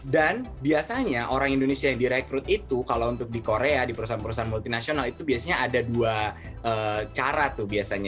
dan biasanya orang indonesia yang direkrut itu kalau untuk di korea di perusahaan perusahaan multinasional itu biasanya ada dua cara tuh biasanya